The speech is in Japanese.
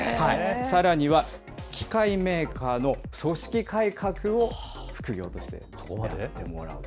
さらには機械メーカーの組織改革を副業としてやってもらうと。